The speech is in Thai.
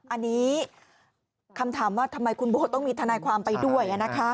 อันนี้คำถามว่าทำไมคุณโบต้องมีทนายความไปด้วย